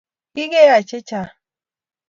Kigeyai chechang